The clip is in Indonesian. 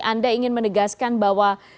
anda ingin menegaskan bahwa